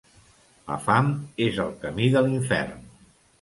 La fam és el camí de l'infern.